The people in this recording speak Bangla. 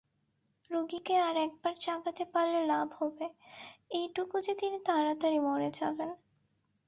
রোগীকে আর একবার জাগাতে পারলে লাভ হবে এইটুকু যে তিনি তাড়াতাড়ি মরে যাবেন।